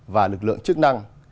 và lực lượng chức năng